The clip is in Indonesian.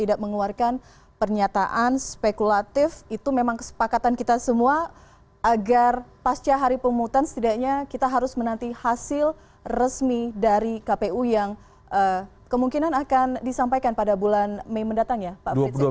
agar pasca hari pemutang setidaknya kita harus menanti hasil resmi dari kpu yang kemungkinan akan disampaikan pada bulan mei mendatang ya pak prinsip